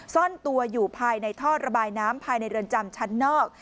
ซ่อนตัวอยู่ภายในท่อระบายน้ำภายในเรือนจำชั้นนอก